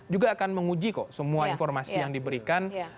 juga akan menguji kok semua informasi yang diberikan